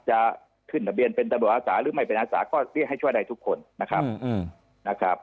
จะขึ้นทะเบียนเป็นตำรวจอาสาหรือไม่เป็นอาสาก็เรียกให้ช่วยได้ทุกคนนะครับ